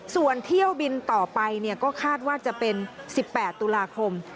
ส่วนเที่ยวบินต่อไปก็คาดว่าจะเป็น๑๘ตุลาคม